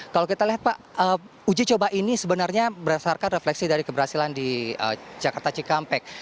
kalau kita lihat pak uji coba ini sebenarnya berdasarkan refleksi dari keberhasilan di jakarta cikampek